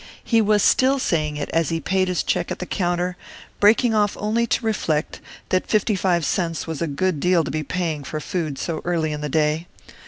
He was still saying it as he paid his check at the counter, breaking off only to reflect that fifty five cents was a good deal to be paying for food so early in the day.